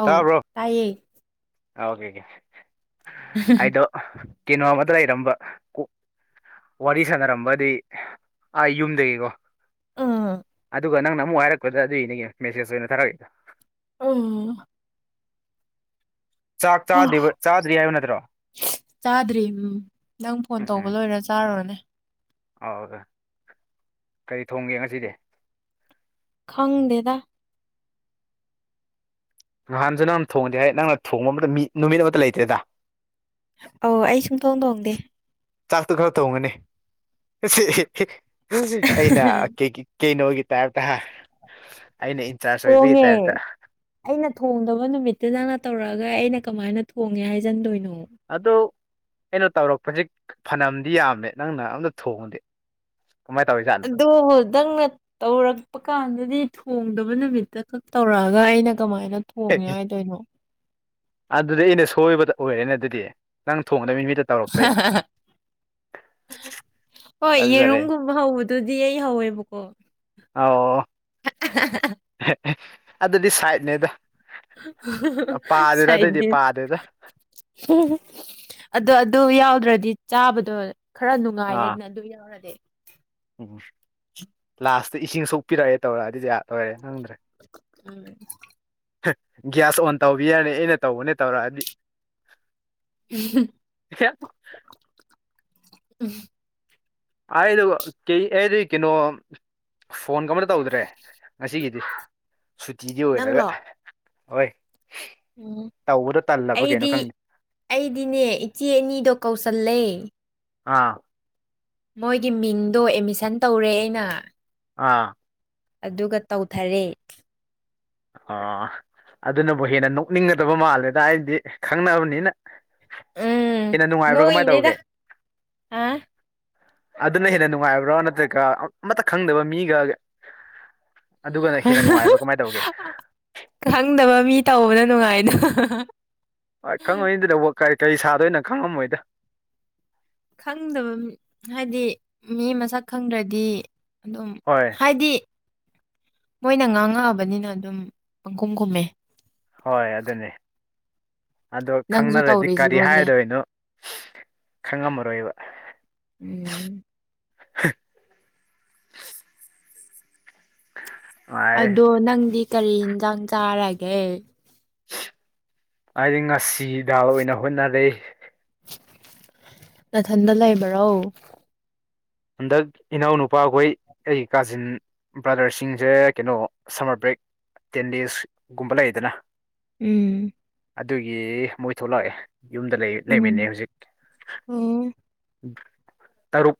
ꯑꯧ ꯇꯥꯕ꯭ꯔꯣ ꯇꯥꯏꯌꯦ ꯑꯣꯀꯦ ꯑꯣꯀꯦ ꯑꯩꯗꯣ ꯀꯩꯅꯣ ꯑꯃꯗ ꯂꯩꯔꯝꯕ ꯀ ꯋꯥꯔꯤ ꯁꯥꯟꯅꯔꯝꯕꯗꯤ ꯑ ꯌꯨꯝꯗꯒꯤꯀꯣ ꯎꯝ ꯑꯗꯨꯒ ꯅꯪꯅ ꯑꯃꯨꯛ ꯍꯥꯏꯔꯛꯄꯗ ꯑꯗꯨꯏꯅꯦ ꯃꯦꯁꯦꯁ ꯑꯣꯏꯅ ꯊꯥꯔꯛꯏꯗꯣ ꯎꯝ ꯆꯥꯛ ꯍꯣ ꯆꯥꯗ꯭ꯔꯤ ꯍꯥꯏꯕ ꯅꯠꯇ꯭ꯔꯣ ꯆꯥꯗ꯭ꯔꯤ ꯎꯝ ꯅꯪ ꯐꯣꯟ ꯇꯧꯕ ꯂꯣꯏꯔ ꯆꯥꯔꯨꯔꯅꯦ ꯑ ꯀꯔꯤ ꯊꯣꯡꯒꯦ ꯉꯁꯤꯗꯤ ꯈꯪꯗꯦꯗ ꯅꯍꯥꯟꯁꯨ ꯅꯪꯅ ꯊꯣꯡꯗꯦ ꯍꯥꯏ ꯅꯪꯅ ꯊꯣꯡꯕ ꯑꯃꯗ ꯃꯤ ꯅꯨꯃꯤꯠ ꯑꯃꯠꯇ ꯂꯩꯇꯦꯗ ꯑ ꯑꯩ ꯁꯨꯡꯇꯣꯡꯗꯣꯡꯗꯦ ꯆꯥꯛꯇꯣ ꯈꯔ ꯇꯣꯡꯒꯅꯤ ꯑꯩꯅ ꯀ ꯀꯩꯅꯣꯒꯤ ꯇꯥꯏꯞꯇ ꯍꯥꯏ ꯑꯩꯅ ꯏꯟꯆꯥꯔꯖ ꯑꯣꯏꯕꯒꯤ ꯍꯣꯡꯉꯦ ꯇꯥꯏꯞꯇ ꯑꯩꯅ ꯊꯣꯡꯗꯕ ꯅꯨꯃꯤꯠꯇꯨꯗꯪꯅ ꯇꯧꯔꯛꯑꯒ ꯑꯩꯅ ꯀꯃꯥꯏꯅ ꯊꯣꯡꯉꯦ ꯍꯥꯏꯖꯟꯗꯣꯏꯅꯣ ꯑꯗꯣ ꯑꯩꯅꯣ ꯇꯧꯔꯛꯄꯁꯤꯛ ꯐꯅꯝꯗꯤ ꯌꯥꯝꯃꯦ ꯅꯪꯅ ꯑꯝꯇ ꯊꯣꯡꯉꯗꯤ ꯀꯃꯥꯏꯅ ꯇꯧꯋꯤ ꯖꯥꯠꯅꯣ ꯈꯤꯇꯪꯅ ꯇꯧꯔꯛꯄ ꯀꯥꯟꯗꯗꯤ ꯊꯣꯡꯗꯕ ꯅꯨꯃꯤꯠꯇ ꯈꯛ ꯇꯧꯔꯛꯑꯒ ꯑꯩꯅ ꯀꯃꯥꯏꯅ ꯊꯣꯡꯉꯦ ꯍꯥꯏꯗꯣꯏꯅꯣ ꯑꯗꯨꯗꯤ ꯑꯩꯅ ꯁꯣꯏꯕꯗ ꯑꯣꯏꯔꯦꯅꯦ ꯑꯗꯨꯗꯤ ꯅꯪ ꯊꯣꯡꯅꯕ ꯃꯤ ꯅꯨꯃꯤꯠꯇ ꯇꯧꯔꯛꯄꯩ [unintelligible] ꯍꯣꯏ ꯑꯗꯨꯗꯔꯦ ꯌꯦꯔꯨꯝꯒꯨꯝꯕ ꯍꯧꯕꯗꯨꯗꯤ ꯑꯩ ꯍꯧꯋꯦꯕꯀꯣ ꯑꯣ ꯑꯗꯨꯗꯤ ꯁꯥꯏꯠꯅꯦꯗ ꯄꯥꯗꯦꯗ ꯑꯗꯨꯏꯗꯤ ꯁꯥꯏꯠꯗꯤ ꯄꯥꯗꯦꯗ ꯑꯗ ꯑ ꯑꯗꯨ ꯌꯥꯎ ꯑꯗꯨꯗ꯭ꯔꯗꯤ ꯆꯥꯕꯗꯣ ꯈꯔ ꯑꯥ ꯅꯨꯡꯉꯥꯏꯔꯦꯅ ꯑꯗꯨ ꯌꯥꯎꯔꯗꯤ ꯎꯝ ꯂꯥꯁꯇ ꯏꯁꯤꯡ ꯁꯣꯛꯄꯤꯔꯛꯑꯦ ꯇꯧꯔꯛꯑ ꯑꯗꯨꯗꯤ ꯌꯥ ꯇ ꯑꯣꯏꯔꯦ ꯈꯪꯗ꯭ꯔꯦ ꯎꯝ ꯒ꯭ꯌꯥꯁ ꯑꯣꯟ ꯇꯧꯕꯤ ꯌꯥꯔꯅꯤ ꯑꯩꯅ ꯇꯧꯕꯅꯦ ꯇꯧꯔꯛꯗꯤ ꯍ ꯎꯝ ꯍꯥꯏꯗ ꯀꯩ ꯀꯩꯅꯣ ꯐꯣꯟ ꯀ ꯑꯃꯇ ꯇꯧꯗ꯭ꯔꯦ ꯉꯁꯤꯒꯤꯗꯤ ꯁꯨꯇꯤꯗꯤ ꯑꯣꯏꯔꯒ ꯅꯪꯂꯣ ꯍꯣꯏ ꯎꯝ ꯇꯧꯕꯗꯣ ꯇꯜꯂꯕ ꯀꯩꯅꯣ ꯑꯩꯗꯤ ꯈꯪꯗꯦ ꯑꯩꯗꯤꯅꯦ ꯏꯆꯦ ꯑꯅꯤꯗꯣ ꯀꯧꯁꯜꯂꯦ ꯑꯥ ꯃꯣꯏꯒꯤ ꯃꯤꯡꯗꯣ ꯑꯦꯠꯃꯤꯁꯟ ꯇꯧꯔꯦ ꯑꯩꯅ ꯑꯥ ꯑꯗꯨꯒ ꯇꯧꯊꯔꯦ ꯑꯣ ꯑꯗꯨꯅꯕꯨ ꯍꯦꯟꯅ ꯅꯣꯛꯅꯤꯡꯒꯗꯕ ꯃꯥꯜꯂꯦꯗ ꯑꯩꯗꯤ ꯈꯪꯅꯕꯅꯤꯅ ꯎꯝ ꯍꯦꯟꯅ ꯅꯨꯡꯉꯥꯏꯕ꯭ꯔꯥ ꯀꯃꯥꯏꯅ ꯅꯣꯏꯅꯦꯗ ꯇꯧꯒꯦ ꯑ ꯑꯗꯨꯅ ꯍꯦꯟꯅ ꯅꯨꯡꯉꯥꯏꯕ꯭ꯔꯥ ꯅꯠꯇ꯭ꯔꯒ ꯑꯃꯠꯇ ꯈꯪꯗꯕ ꯃꯤꯒ ꯑꯗꯨꯒꯅ ꯍꯦꯟꯅꯅꯨꯡꯉꯥꯏꯕꯥ ꯀꯃꯥꯏꯅ ꯇꯧꯒꯦ ꯈꯪꯗꯕ ꯃꯤ ꯇꯧꯕꯅ ꯅꯨꯡꯉꯥꯏꯗꯣ ꯍꯣꯏ ꯈꯪꯉꯣꯏꯅꯤꯗꯤ ꯂꯧꯕ ꯀ ꯀꯔꯤ ꯁꯥꯗꯣꯏꯅꯣ ꯈꯪꯉꯝꯃꯣꯏꯗ ꯈꯪꯗꯕ ꯍꯥꯏꯗꯤ ꯃꯤ ꯃꯁꯛ ꯈꯪꯗ꯭ꯔꯗꯤ ꯑꯗꯨꯝ ꯍꯣꯏ ꯍꯥꯏꯗꯤ ꯃꯣꯏꯅ ꯉꯥꯡꯉꯛꯑꯕꯅꯤꯅ ꯑꯗꯨꯝ ꯄꯪꯈꯨꯝ ꯈꯨꯝꯃꯦ ꯍꯣꯏ ꯑꯗꯨꯅꯦ ꯑꯗꯣ ꯅꯪꯁꯨ ꯈꯪꯅꯔꯗꯤ ꯀꯔꯤ ꯇꯧꯔꯤꯁꯤꯕꯣꯁꯦ ꯍꯥꯏꯗꯣꯏꯅꯣ ꯈꯪꯉꯝꯃꯔꯣꯏꯕ ꯎꯝ ꯍ ꯑꯗꯣ ꯅꯪꯗꯤ ꯀꯔꯤ ꯌꯦꯟꯁꯥꯡ ꯆꯥꯔꯒꯦ ꯍꯥꯏꯗꯤ ꯉꯥꯁꯤ ꯗꯥꯜ ꯑꯣꯏꯅ ꯍꯣꯠꯅꯔꯦ ꯅꯊꯟꯗ ꯂꯩꯕ꯭ꯔꯣ ꯍꯟꯗꯛ ꯏꯅꯥꯎ ꯅꯨꯄꯥꯈꯣꯏ ꯑꯩꯒꯤ ꯀꯥꯖꯤꯟ ꯕ꯭ꯔꯥꯗꯔꯁꯤꯡꯁꯦ ꯀꯩꯅꯣ ꯁꯝꯃꯔ ꯕ꯭ꯔꯦꯛ ꯇꯦꯟ ꯗꯦꯖꯒꯨꯝꯕ ꯂꯩꯌꯦꯗꯅ ꯎꯝ ꯑꯗꯨꯒꯤ ꯃꯣꯏ ꯊꯣꯛꯂꯛꯑꯦ ꯌꯨꯝꯗ ꯂꯩꯃꯤꯟꯅꯩ ꯎꯝ ꯍꯧꯖꯤꯛ ꯎꯝ ꯇꯔꯨꯛ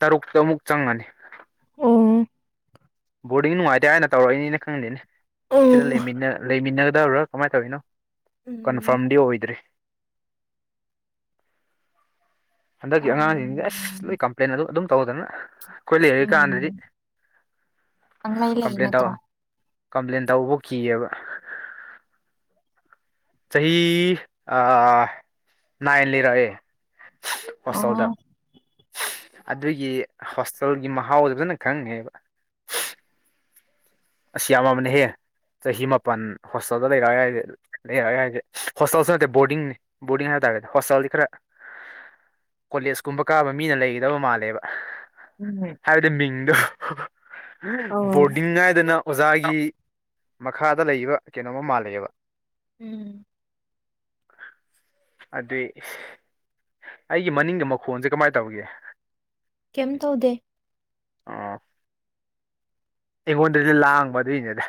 ꯇꯔꯨꯛꯇ ꯑꯃꯨꯛ ꯆꯪꯉꯅꯤ ꯑꯣ ꯕꯣꯔꯗꯤꯡ ꯅꯨꯡꯉꯥꯏꯇꯦ ꯍꯥꯏꯅ ꯇꯧꯔꯛꯏꯅꯤꯅ ꯈꯪꯗꯦꯅꯦ ꯁꯤꯗ ꯂꯩꯃꯤꯟꯅ ꯗꯕꯔꯥ ꯀꯃꯥꯏꯅ ꯇꯧꯔꯤꯤꯅꯣ ꯎꯝ ꯀꯟꯐꯥꯔꯝꯗꯤ ꯑꯣꯏꯗ꯭ꯔꯤ ꯍꯟꯗꯛꯀꯤ ꯎꯝ ꯑꯉꯥꯡꯁꯤꯡꯗꯤ ꯑꯁ ꯂꯣꯏ ꯎꯝ ꯀꯝꯄ꯭ꯂꯦꯟ ꯑꯗꯨ ꯑꯗꯨꯝ ꯇꯧꯗꯅ ꯑꯩꯈꯣꯏ ꯂꯩꯔ ꯀꯥꯟꯗꯗꯤ ꯎꯝ ꯄꯪꯂꯩ ꯂꯩ ꯀꯝꯄ꯭ꯂꯦꯟ ꯇꯧ ꯅꯠꯇ꯭ꯔꯣ ꯀꯝꯄ꯭ꯂꯦꯟ ꯇꯧꯕ ꯀꯤꯑꯕ ꯆꯍꯤ ꯆꯍꯤ ꯑ ꯏꯟ ꯂꯩꯔꯦ ꯍꯁꯥꯎꯗꯥ ꯑꯣ ꯑꯗꯨꯒꯤ ꯍꯣꯁꯇꯦꯜꯒꯤ ꯃꯍꯥꯎꯗꯣ ꯐꯖꯅ ꯈꯪꯉꯦꯕ ꯑꯁꯤ ꯌꯥꯝꯃꯕꯅꯦꯍꯦ ꯆꯍꯤ ꯃꯥꯄꯜ ꯍꯣꯁꯇꯦꯜꯗ ꯂꯩꯔꯛꯑ ꯌꯥꯏꯦ ꯂꯩꯔꯛꯑ ꯌꯥꯏꯗꯦ ꯍꯣꯁꯇꯦꯜꯁꯨ ꯅꯠꯇꯦ ꯕꯣꯔꯗꯤꯡꯅꯤ ꯕꯣꯔꯗꯤꯡ ꯍꯥꯏꯦ ꯦ ꯍꯁꯥꯎꯜꯗꯤ ꯀ꯭ꯔ [unintelligible] ꯀꯣꯂꯦꯖꯀꯨꯝꯕ ꯀꯥꯕ ꯃꯤꯅ ꯂꯩꯒꯗꯕ ꯃꯥꯜꯂꯦꯕ ꯎꯝ ꯍꯥꯏꯕꯗꯤ ꯃꯤꯡꯗꯣ ꯑꯧ ꯕꯣꯔꯗꯤꯡ ꯉꯥꯏꯗꯅ ꯑꯣꯖꯥꯒꯤ ꯃꯈꯥꯗ ꯂꯩꯕ ꯀꯩꯅꯣꯝꯃ ꯃꯥꯜꯂꯦꯕ ꯎꯝ ꯑꯗꯨꯏ ꯑꯩꯒꯤ ꯃꯅꯤꯡꯒꯤ ꯃꯈꯣꯟꯁꯦ ꯀꯃꯥꯏꯅ ꯇꯧꯒꯦ ꯀꯝ ꯇꯧꯗꯦ ꯑ ꯑꯩꯉꯣꯟꯗꯗꯤ ꯂꯥꯡꯕ ꯑꯗꯨꯏꯅꯦꯗ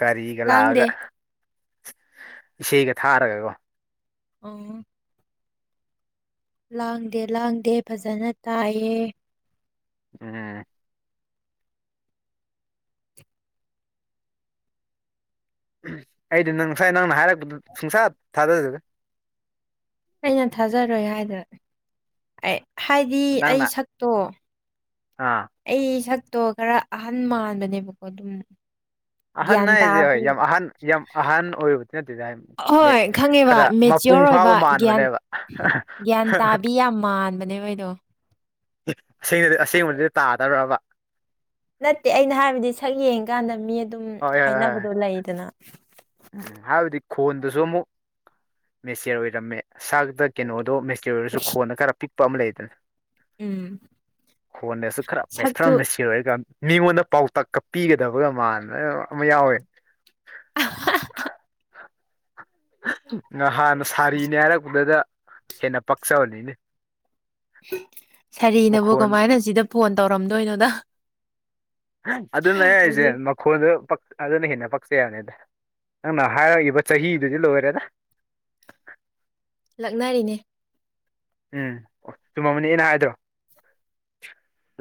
ꯒꯥꯔꯤꯒ ꯂꯥꯡꯗꯦ ꯂꯥꯛꯑꯒ ꯏꯁꯩꯒ ꯊꯥꯔꯒꯀꯣ ꯑ ꯂꯥꯡꯗꯦ ꯂꯥꯡꯗꯦ ꯐꯖꯅ ꯇꯥꯏꯌꯦ ꯎꯝ ꯑꯩꯗꯤ ꯅꯪ ꯉꯁꯥꯏ ꯅꯪꯅ ꯍꯥꯏꯔꯛꯄꯗ ꯁꯨꯡꯁꯥ ꯊꯥꯖꯒꯦ ꯑꯩꯅ ꯊꯥꯖꯔꯣꯏ ꯍꯥꯏꯗꯅ ꯍꯥꯏꯗꯤ ꯑꯩ ꯅꯪꯅ ꯁꯛꯇꯣ ꯑꯥ ꯑꯩ ꯁꯛꯇꯣ ꯈꯔ ꯑꯍꯟ ꯃꯥꯟꯕꯅꯦꯕꯀꯣ ꯑꯗꯨꯝ ꯑꯍꯟ ꯒ꯭ꯌꯥꯟ ꯍꯥꯏꯁꯦ ꯍꯣꯏ ꯇꯥꯕꯤ ꯌꯥꯝ ꯑꯍꯟ ꯌꯥꯝ ꯑꯍꯟ ꯑꯣꯏꯔꯨꯕꯗꯤ ꯅꯠꯇꯦꯗ ꯍꯥꯏ ꯍꯣꯏ ꯈꯔ ꯈꯪꯉꯦꯕ ꯃꯄꯨꯡ ꯃꯦꯆꯤꯌꯣꯔ ꯐꯥꯕ ꯑꯣꯏꯕ ꯒ꯭ꯌꯥꯟ ꯃꯥꯟꯕꯅꯦꯕ ꯒ꯭ꯌꯥꯟ ꯇꯥꯕꯤ ꯌꯥꯝ ꯃꯥꯟꯕꯅꯦꯕ ꯑꯩꯗꯣ ꯑꯁꯦꯡꯗꯤ ꯑꯁꯦꯡꯕꯗꯨꯗꯤ ꯇꯥꯗꯔꯕ ꯅꯠꯇꯦ ꯑꯩꯅ ꯍꯥꯏꯕꯗꯤ ꯁꯛ ꯌꯦꯡꯀꯥꯟꯗ ꯃꯤ ꯑꯗꯨꯝ ꯍꯣꯏ ꯍꯣꯏ ꯍꯣꯏ ꯍꯥꯏꯅꯕꯗꯣ ꯂꯩꯗꯅ ꯎꯝ ꯍꯥꯏꯕꯗꯤ ꯈꯣꯟꯗꯨꯁꯨ ꯑꯃꯨꯛ ꯃꯦꯆꯦꯔ ꯑꯣꯏꯔꯝꯃꯦ ꯁꯇ ꯀꯩꯅꯣꯗꯣꯦ ꯆ ꯑꯣꯏꯔꯁꯨ ꯈꯣꯟꯅ ꯈꯔ ꯄꯤꯛꯄ ꯑꯃ ꯂꯩꯗꯅ ꯎꯝ ꯍꯣꯟꯅꯁꯨ ꯈꯔ ꯁꯛꯇꯨ ꯃꯁꯊꯔꯅꯁꯤꯔꯀꯥꯟꯗ ꯃꯤꯉꯣꯟꯗ ꯄꯥꯎꯇꯥꯛ ꯀꯛꯄꯤꯒꯗꯕꯒ ꯃꯅ ꯑꯃ ꯌꯥꯎꯋꯦ [unintelligible] ꯍꯥꯟꯅ ꯁꯥꯔꯤꯅꯦ ꯍꯥꯏꯔꯛꯄꯗꯨꯗ ꯍꯦꯟꯅ ꯄꯥꯛꯆꯕꯅꯤꯅꯦ ꯁꯥꯔꯤꯅꯕꯨꯣ ꯃꯈꯣꯟ ꯀꯃꯥꯏꯅ ꯁꯤꯗ ꯐꯣꯟ ꯇꯧꯔꯝꯗꯣꯏꯅꯣꯗ ꯑꯗꯨꯅ ꯌꯥꯁꯦ ꯍꯧꯖꯤꯛ ꯃꯈꯣꯟꯗ ꯑꯗꯨꯅ ꯍꯦꯟꯅ ꯄꯛꯆꯩ ꯌꯥꯕꯅꯤ ꯅꯪꯅ ꯍꯥꯏꯔꯛꯏꯕ ꯆꯍꯤꯗꯨꯗꯤ ꯂꯣꯏꯔꯦꯗ ꯂꯛꯅꯔꯤꯅꯦ ꯎꯝ ꯑꯣ ꯆꯨꯝꯃꯃꯅꯤ ꯑꯩꯅ ꯍꯥꯏꯗ꯭ꯔꯣ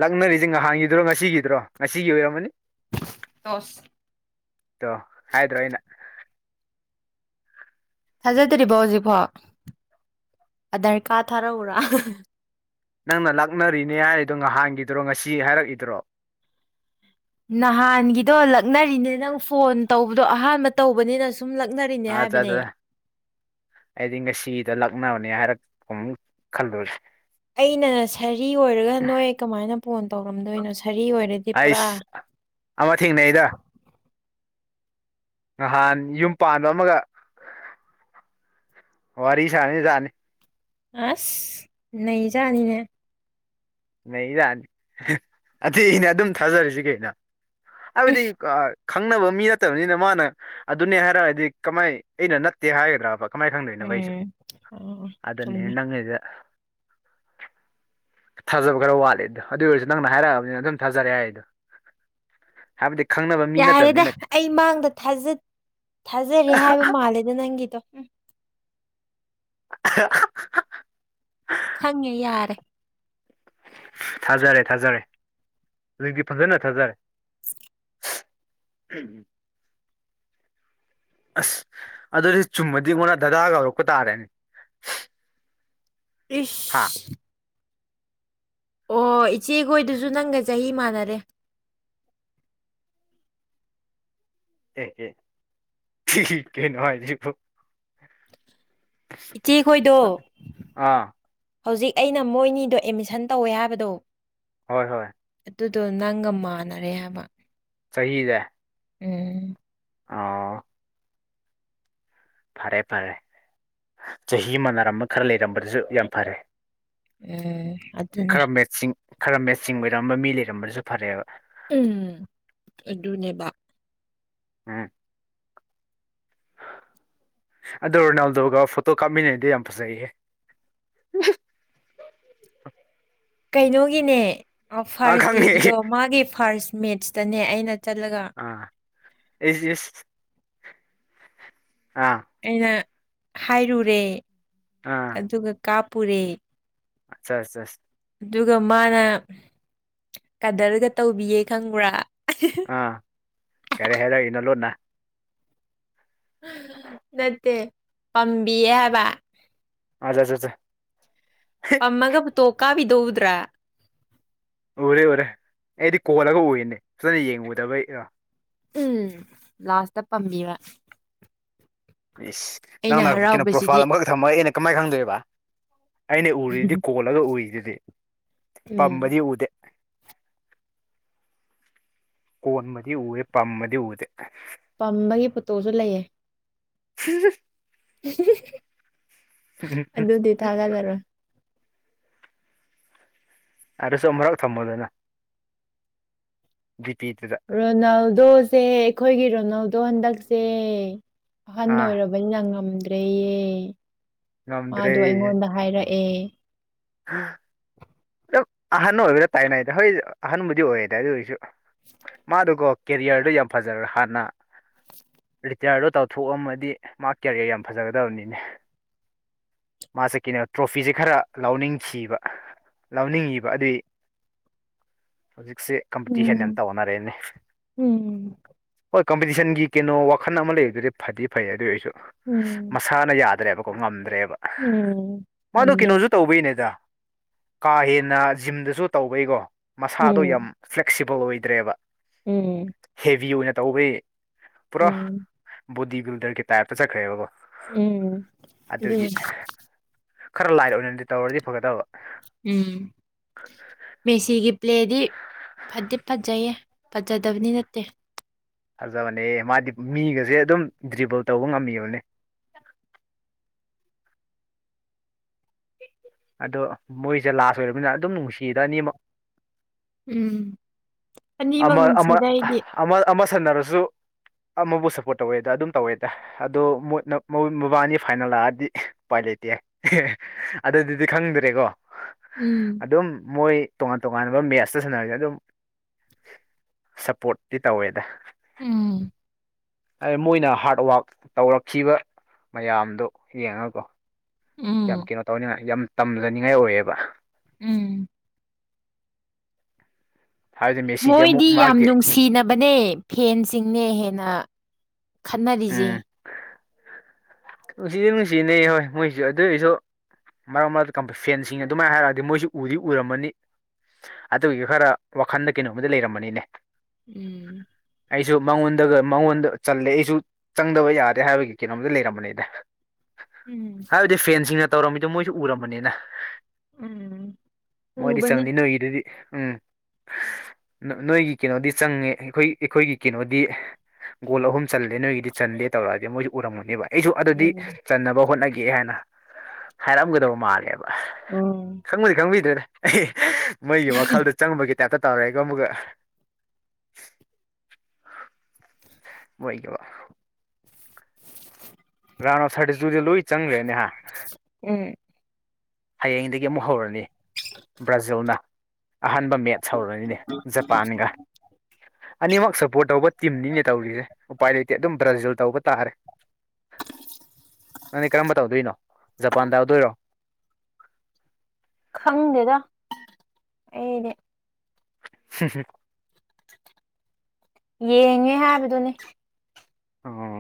ꯂꯥꯛꯅꯔꯤꯁꯦ ꯅꯍꯥꯟꯒꯤꯗꯨ꯭ꯔꯣ ꯉꯁꯤꯒꯤꯗ꯭ꯔꯣ ꯉꯁꯤꯒꯤ ꯑꯣꯏꯔꯝꯃꯅꯤ ꯇꯣꯁ ꯇꯣ ꯍꯥꯏꯗ꯭ꯔꯣ ꯑꯩꯅ ꯊꯥꯖꯗ꯭ꯔꯤꯕꯣ ꯍꯧꯖꯤꯛꯐꯥꯎ ꯑꯙꯔ ꯀꯥꯔꯗ ꯊꯥꯔꯛꯎꯔꯥ ꯅꯪꯅ ꯂꯥꯛꯅꯔꯤꯅꯦ ꯍꯥꯏꯗꯣ ꯅꯍꯥꯟꯒꯤꯗꯨ꯭ꯔꯣ ꯉꯁꯤ ꯍꯥꯏꯔꯛꯏꯗ꯭ꯔꯣ ꯅꯍꯥꯟꯒꯤꯗꯣ ꯂꯛꯅꯔꯤꯅꯦ ꯅꯪ ꯐꯣꯟ ꯇꯧꯕꯗꯣ ꯑꯍꯥꯟꯕ ꯇꯧꯕꯅꯤꯅ ꯁꯨꯝ ꯂꯛꯅꯔꯤꯅꯦ ꯍꯥꯏꯕꯅꯦ ꯑꯥꯆꯥ ꯑ ꯊꯤꯡꯀ ꯁꯤꯗ ꯂꯒꯅ ꯑꯃꯅꯤꯅꯤ ꯍꯥꯏꯔꯛꯄ ꯈꯜꯂꯨꯔꯦ ꯑꯩꯅ ꯁꯥꯔꯤ ꯑꯣꯏꯔꯒ ꯅꯣꯏ ꯀꯃꯥꯏꯅ ꯐꯣꯟ ꯇꯧꯔꯝꯗꯣꯏꯅꯣ ꯁ ꯁꯔꯤ ꯑꯣꯏꯔꯗꯤ ꯄꯨꯔꯥ ꯑꯩꯁ ꯑꯃ ꯊꯦꯡꯅꯩꯗ ꯅꯍꯥꯟ ꯌꯨꯝ ꯄꯥꯟꯕ ꯑꯃꯒ ꯋꯥꯔꯤꯔꯤꯁꯅꯤ ꯊꯅꯤ ꯑꯁ ꯅꯖꯅꯤꯅꯦ ꯅ ꯂꯥꯛꯅꯤ ꯑ ꯑꯩꯅ ꯑꯗꯨꯝ ꯊꯥꯖꯔꯤꯁꯤ ꯀꯩꯅ ꯍꯥꯏꯗꯤ ꯈꯪꯅꯕ ꯃꯤ ꯅꯠꯇꯕꯅꯤꯅ ꯃꯥꯅ ꯑꯗꯨꯅꯦ ꯍꯥꯏꯔꯛꯑꯗꯤ ꯀꯃꯥꯏ ꯑꯩꯅ ꯅꯠꯇꯦ ꯍꯥꯏꯒꯗ꯭ꯔꯕ ꯀꯃꯥꯏꯅ ꯈꯪꯗꯣꯏꯣ ꯑꯩꯁꯨ ꯎꯝ ꯑ ꯑꯗꯨꯅꯦ ꯆꯨꯝꯃꯦ ꯅꯪꯉꯗ ꯊꯥꯖꯕ ꯈꯔ ꯋꯥꯠꯂꯦꯗꯣ ꯑꯗꯨ ꯑꯣꯏꯔꯁꯨ ꯅꯪꯅ ꯍꯥꯏꯔꯛꯑꯕꯅꯤꯅ ꯑꯗꯨꯝ ꯊꯥꯖꯔꯦ ꯍꯥꯏꯗꯣ ꯍꯥꯦꯕ ꯌꯥꯔꯦꯗ ꯑꯩ ꯃꯥꯡꯗ ꯊꯥꯖꯔꯦ ꯍꯥꯏꯕ ꯃꯥꯜꯂꯦꯗ ꯅꯪꯒꯤꯗꯣ ꯎꯝ [unintelligible] ꯈꯪꯉꯦ ꯌꯥꯔꯦ ꯊꯥꯖꯔꯦ ꯊꯥꯖꯔꯦ ꯍꯧꯖꯤꯛꯇꯤ ꯐꯖꯅ ꯊꯥꯖꯔꯦ ꯎꯝꯝ ꯑꯁ ꯑꯗꯨꯗꯤ ꯆꯨꯝꯃꯗꯤ ꯑꯩꯉꯣꯟꯅ ꯗꯗꯥꯗꯥꯒ ꯍꯧꯔꯛꯄ ꯇꯥꯔꯅꯤ ꯏꯁꯁ ꯑꯣ ꯏꯆꯦꯈꯣꯏꯗꯨꯁꯨ ꯅꯪꯒ ꯆꯍꯤ ꯃꯥꯟꯅꯔꯦ ꯑꯦ ꯑꯦ ꯊꯅꯅꯨꯡꯉꯥꯏꯄ ꯏꯆꯦꯈꯣꯏꯗꯣ ꯑꯥ ꯍꯧꯖꯤꯛ ꯑꯩꯅ ꯃꯣꯏꯅꯤꯗꯣ ꯑꯦꯠꯃꯤꯁꯟ ꯇꯧꯋꯦ ꯍꯥꯏꯕꯗꯣ ꯍꯣꯏ ꯍꯣꯏ ꯑꯗꯨꯗꯣ ꯅꯪꯒ ꯃꯥꯟꯅꯔꯦ ꯍꯥꯏꯕ ꯁꯍꯤꯗ ꯎꯝ ꯑ ꯐꯔꯦ ꯐꯔꯦ ꯆꯍꯤ ꯑꯃ ꯅꯥꯔꯝꯕ ꯈꯔ ꯂꯩꯔꯝꯕꯗꯨꯁꯨ ꯌꯥꯝ ꯐꯔꯦ ꯎꯝ ꯑꯗꯨꯗꯅꯦꯦ ꯈꯔ ꯃꯦꯠꯁꯤꯡ ꯈꯔ ꯃꯦꯆꯤꯡ ꯑꯣꯏꯔꯝꯕ ꯃꯤ ꯂꯩꯔꯝꯕꯁꯨ ꯐꯔꯦꯕ ꯎꯝ ꯑꯗꯨꯅꯦꯕ ꯎꯝ [unintelligible] ꯑꯗꯣ ꯔꯣꯅꯥꯜꯗꯣꯒ ꯐꯣꯇꯣ ꯀꯥꯞꯃꯤꯟꯅꯩꯗꯤ ꯌꯥꯝ ꯐꯖꯩꯌꯦꯦ [unintelligible] ꯀꯩꯅꯣꯒꯤꯅꯦ ꯑꯥ ꯐꯥꯔꯁ ꯗꯦꯒꯤꯗꯣ ꯈꯪꯉꯦ ꯃꯥꯒꯤ ꯐꯥꯔꯁ ꯃꯦꯠꯁꯇꯅꯦ ꯑꯩꯅ ꯆꯠꯂꯒ ꯑꯩ ꯑꯩꯅ ꯍꯥꯏꯔꯨꯔꯦ ꯑꯗꯨꯒ ꯀꯥꯞꯄꯨꯔꯦ ꯑꯆꯥ ꯑꯗꯨꯒ ꯃꯥꯅ ꯀꯗꯔꯒ ꯇꯧꯕꯤꯌꯦ ꯈꯪꯕ꯭ꯔꯥ ꯑ ꯀꯔꯤ ꯍꯥꯏꯔꯛꯏꯅꯣ ꯂꯣꯟꯅ ꯅꯠꯇꯦ ꯄꯝꯕꯤꯌꯦ ꯍꯥꯏꯕ ꯑꯖ ꯖ ꯖ ꯄꯝꯃꯒ ꯑꯣꯇꯣ ꯀꯥꯞꯄꯤꯗꯣꯎꯗ꯭ꯔ ꯎꯔꯦ ꯎꯔꯦ ꯑꯩꯗꯤ ꯀꯣꯜꯂꯒ ꯎꯏꯅꯦ ꯐꯖꯅ ꯌꯦꯡꯉꯨꯗꯕꯩꯥ ꯎꯝ ꯂꯥꯁꯇ ꯄꯝꯃꯤꯕ ꯏꯁ ꯅꯪꯅ ꯀꯩꯅꯣ ꯄ꯭ꯔꯣꯐꯥꯏꯜ ꯍꯔꯥꯎꯕꯁꯤꯗꯤ ꯑꯃꯈꯛ ꯊꯝꯃ ꯑꯩꯅ ꯀꯃꯥꯏ ꯈꯪꯗꯣꯏꯕ ꯑꯩꯅ ꯎꯔꯤꯗꯤ ꯀꯣꯜꯂꯒ ꯎꯔꯤꯗꯨꯗꯤ ꯎꯝ ꯄꯝꯕꯗꯤ ꯎꯗꯦ ꯀꯣꯟꯕꯗꯤ ꯎꯋꯦ ꯄꯝꯕꯗꯤ ꯎꯗꯦ ꯄꯝꯕꯒꯤ ꯐꯣꯠꯇꯣꯁꯨ ꯂꯩꯑꯦ ꯍꯨꯝ [unintelligible] ꯑꯗꯨꯗꯤ ꯊꯥꯒꯠꯂꯔꯣꯏ [unintelligible] ꯑꯗꯨꯁꯨ ꯃꯔꯧ ꯊꯝꯃꯨꯗꯅ ꯗꯤꯄꯤꯗꯨꯗ ꯔꯣꯅꯥꯜꯗꯣꯁꯦ ꯑꯩꯈꯣꯏꯒꯤ ꯔꯣꯅꯥꯜꯗꯣ ꯍꯟꯗꯛꯁꯦ ꯑꯍꯟ ꯑꯥ ꯑꯣꯏꯔꯕꯅꯤꯅ ꯉꯝꯗ꯭ꯔꯦꯌꯦ ꯉꯝꯗ꯭ꯔꯦ ꯃꯥꯗꯣ ꯑꯩꯉꯣꯟꯗ ꯍꯥꯏꯔꯛ ꯑꯦ [unintelligible] ꯑꯍꯟ ꯑꯣꯏꯕꯗ ꯇꯥꯏꯅꯩꯗ ꯍꯣꯏ ꯑꯍꯟꯕꯨꯗꯤ ꯑꯣꯏꯌꯦꯗ ꯑꯗꯨ ꯑꯣꯏꯁꯨ ꯃꯥꯗꯨꯒꯣ ꯀꯦꯔꯤꯌꯔꯗꯨ ꯌꯥꯝ ꯐꯖꯔ ꯍꯥꯟꯅ ꯔꯤꯇꯌꯥꯔꯗꯣ ꯇꯧꯊꯣꯛ ꯑꯝꯃꯗꯤ ꯃꯥ ꯀꯦꯔꯤꯌꯔ ꯌꯥꯝ ꯐꯖꯒꯗꯕꯅꯤꯅꯦ ꯃꯥꯁꯦ ꯀꯩꯅꯣ ꯇ꯭ꯔꯣꯐꯤꯁꯦ ꯈꯔ ꯂꯧꯅꯤꯡꯈꯤꯕ ꯂꯧꯅꯤꯡꯉꯤꯕ ꯑꯗꯨꯏ ꯍꯧꯖꯤꯛꯁꯦ ꯀꯝꯄꯤꯇꯤꯁꯟ ꯌꯥꯝ ꯎꯝ ꯇꯧꯅꯔꯦꯅꯦ ꯎꯝ ꯍꯣꯏ ꯀꯝꯄꯤꯇꯤꯁꯟꯒꯤ ꯀꯩꯅꯣ ꯋꯥꯈꯟ ꯑꯃ ꯂꯩꯗꯨꯗꯤ ꯐꯗꯤ ꯐꯩ ꯑꯗꯨ ꯑꯣꯏꯁꯨ ꯎꯝ ꯃꯁꯥꯅ ꯌꯥꯗ꯭ꯔꯦꯕ ꯀꯣ ꯉꯝꯗ꯭ꯔꯦꯕ ꯎꯝ ꯃꯥꯗꯨ ꯉꯝꯗ꯭ꯔꯦ ꯀꯩꯅꯣꯁꯨ ꯇꯧꯕꯩꯅꯦꯗ ꯀꯥ ꯍꯦꯟꯅ ꯖꯤꯝꯗꯁꯨ ꯇꯧꯕꯩꯀꯣ ꯃꯁꯥꯗꯣ ꯌꯥꯝ ꯎꯝ ꯐ꯭ꯂꯦꯛꯁꯤ ꯑꯣꯏꯗ꯭ꯔꯦꯕ ꯎꯝ ꯕꯤ ꯑꯣꯏꯅ ꯇꯧꯕꯩ ꯄꯨꯔꯥ ꯎꯝ ꯕꯣꯗꯤ ꯕꯤꯜꯗꯔꯒꯤ ꯇꯥꯏꯞꯇ ꯆꯠꯈ꯭ꯔꯦꯕꯀꯣ ꯎꯝ ꯑꯗꯨꯒꯤ ꯎꯝ ꯈꯔ ꯂꯥꯏꯠ ꯑꯣꯏꯅꯗꯤ ꯇꯧꯔꯗꯤ ꯐꯒꯗꯕ ꯎꯝ ꯃꯦꯁꯤꯒꯤ ꯄ꯭ꯂꯦꯗꯤ ꯐꯗꯤ ꯐꯖꯩꯌꯦ ꯐꯖꯗꯕꯅꯤ ꯅꯠꯇꯦ ꯐꯖꯕꯅꯦ ꯃꯥꯗꯤ ꯃꯤꯒꯁꯦ ꯑꯗꯨꯝ ꯗ꯭ꯔꯤꯕꯜ ꯇꯧꯕ ꯉꯝꯃꯤꯕꯅꯦ ꯑꯗꯣ ꯃꯣꯏꯁꯦ ꯂꯥꯁ ꯑꯣꯏꯔꯕꯅꯤꯅ ꯑꯗꯨꯝ ꯅꯨꯡꯁꯤꯗ ꯑꯅꯤꯃꯛ ꯎꯝ ꯑꯅꯤꯃꯛ ꯑꯃ ꯑꯃ ꯅꯨꯡꯁꯤꯗ ꯑꯩꯗꯤ ꯑꯃ ꯑꯃ ꯁꯟꯅꯔꯁꯨ ꯑꯃꯕꯨ ꯁꯞꯄꯣꯔꯠ ꯇꯧꯋꯦꯗ ꯑꯗꯨꯝ ꯇꯧꯋꯦꯗ ꯑꯗꯣ ꯃꯕꯥꯅꯤ ꯐꯥꯏꯅꯜ ꯂꯥꯛꯑꯗꯤ ꯎꯄꯥꯏ ꯂꯩ ꯇꯦ ꯑꯗꯨꯗꯗꯤ ꯈꯪꯗ꯭ꯔꯦꯀꯣ ꯎꯝ ꯑꯗꯨꯝ ꯃꯣꯏ ꯇꯣꯉꯥꯟ ꯇꯣꯉꯥꯟꯕ ꯃꯦꯠꯁꯇ ꯁꯥꯟꯅꯔꯗꯤ ꯑꯗꯨꯝ ꯁꯞꯄꯣꯔꯠꯇꯤ ꯇꯧꯋꯦꯗ ꯎꯝ ꯍꯥꯏ ꯃꯣꯏꯅ ꯍꯥꯔꯠ ꯋꯥꯛ ꯇꯧꯔꯛꯈꯤꯕ ꯃꯌꯥꯝꯗꯨ ꯌꯦꯡꯉꯀꯣ ꯌꯥꯝ ꯎꯝ ꯀꯩꯅꯣ ꯇꯧꯅꯤꯉꯥꯏ ꯌꯥꯝ ꯇꯝꯖꯅꯤꯡꯉꯥꯏ ꯑꯣꯏꯌꯦꯕ ꯎꯝ ꯍꯥꯏꯕꯗꯤ ꯃꯦꯁꯤꯗꯤ ꯑꯃꯨꯛ ꯃꯣꯏꯗꯤ ꯌꯥꯝ ꯃꯥꯒꯤ ꯅꯨꯡꯁꯤꯅꯕꯅꯦ ꯐꯦꯟꯁꯤꯡꯅꯦ ꯍꯦꯟꯅ ꯈꯠꯅꯔꯤꯖꯦ ꯎꯝ ꯅꯨꯡꯁꯤꯗꯤ ꯅꯨꯡꯁꯤꯅꯩ ꯍꯣꯏ ꯃꯣꯏꯁꯨ ꯑꯗꯨꯏꯁꯨ ꯃꯔꯛ ꯃꯔꯛꯇ ꯐꯦꯟꯁꯤꯡ ꯑꯗꯨꯃꯥꯏꯅ ꯍꯥꯏꯔꯛꯑꯗꯤ ꯃꯣꯏꯁꯨ ꯎꯗꯤ ꯎꯔꯝꯃꯅꯤ ꯑꯗꯨꯒꯤꯁꯨ ꯈꯔ ꯋꯥꯈꯟꯗ ꯀꯩꯅꯣꯝꯃꯗ ꯂꯩꯔꯝꯃꯅꯤꯅꯦ ꯎꯝ ꯑꯩꯁꯨ ꯃꯉꯣꯟꯗꯒ ꯃꯉꯣꯟꯗ ꯆꯜꯂꯦ ꯑꯩꯁꯨ ꯆꯪꯗꯕ ꯌꯥꯗꯦ ꯍꯥꯏꯕꯒꯤ ꯀꯩꯅꯣꯝꯇ ꯂꯩꯔꯝꯕꯅꯦꯅ ꯎꯝ ꯍꯥꯏꯕꯗꯤ ꯐꯦꯟꯁꯤꯡꯅ ꯇꯧꯔꯝꯃꯤꯗꯣ ꯃꯣꯏꯁꯨ ꯎꯔꯝꯕꯅꯤꯅ ꯎꯝ ꯃꯣꯏꯗꯤ ꯎꯕꯅꯦ ꯆꯪꯅꯤ ꯅꯣꯏꯒꯤꯗꯨꯗꯤ ꯎꯝ ꯅꯣꯏꯒꯤ ꯀꯩꯅꯣꯗꯤ ꯆꯪꯉꯦ ꯑꯩꯈꯣꯏ ꯑꯩꯈꯣꯏꯒꯤ ꯀꯩꯅꯣꯗꯤ ꯒꯣꯜ ꯑꯍꯨꯝ ꯆꯜꯂꯦ ꯅꯣꯏꯒꯤꯗꯤ ꯆꯟꯂꯦ ꯇꯧꯔꯛꯑꯒꯦ ꯃꯣꯏꯁꯨ ꯎꯔꯝꯃꯨꯅꯦꯕ ꯑꯩꯁꯨ ꯑꯗꯨꯗꯤ ꯎꯝ ꯆꯟꯅꯕ ꯍꯣꯠꯅꯒꯦ ꯍꯥꯏꯅ ꯍꯥꯏꯔꯝꯒꯗꯕ ꯃꯥꯜꯂꯦꯕ ꯎꯝ ꯈꯪꯕ ꯈꯪꯕꯤꯗ꯭ꯔꯦꯅꯦ ꯑꯦ ꯃꯩꯒꯤ ꯋꯥꯈꯜꯗ ꯆꯪꯕꯒꯤ ꯇꯀ ꯇꯧꯔꯦꯀꯣ ꯑꯃꯒ ꯃꯣꯏꯒꯕ ꯔꯥꯅꯣ ꯁꯥꯇꯖꯨꯗꯤ ꯂꯣꯏ ꯆꯪꯈ꯭ꯔꯦꯅꯦꯍꯥ ꯎꯝ ꯍꯌꯦꯡꯗꯒꯤ ꯑꯃꯨꯛ ꯍꯧꯔꯅꯤ ꯕ꯭ꯔꯥꯖꯤꯜꯅ ꯑꯍꯥꯟꯕ ꯃꯦꯠꯆ ꯍꯧꯔꯅꯤꯅꯦ ꯖꯄꯥꯟꯒ ꯑꯅꯤꯃꯛ ꯁꯞꯄꯣꯔꯠ ꯇꯧꯕ ꯇꯤꯝꯅꯤꯅꯦ ꯇꯧꯔꯤꯁꯦ ꯎꯄꯥꯏ ꯂꯩꯇꯦ ꯑꯗꯨꯝ ꯕ꯭ꯔꯥꯖꯤꯜ ꯇꯧꯕ ꯇꯥꯔꯦ ꯅꯪꯗꯤ ꯀꯔꯝꯕ ꯇꯧꯗꯣꯏꯅꯣ ꯖꯄꯥꯟꯗꯎꯗꯣꯏꯔꯣ ꯈꯪꯗꯦꯗ ꯑꯩꯗꯤ ꯍ ꯌꯦꯡꯉꯦ ꯍꯥꯏꯕꯗꯨꯅꯤ ꯑꯣ